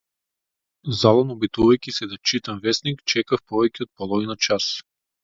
Залудно обидувајќи се да читам весник, чекав повеќе од половина час.